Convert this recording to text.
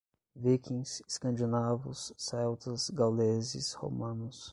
Vikings, escandinavos, celtas, gauleses, romanos